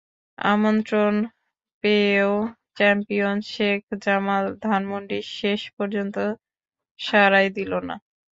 আমন্ত্রণ পেয়েও চ্যাম্পিয়ন শেখ জামাল ধানমন্ডি শেষ পর্যন্ত সাড়াই দিল না।